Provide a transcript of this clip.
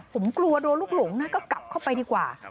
ผมกลัวโดนลูกหลงนะก็กลับเข้าไปดีกว่า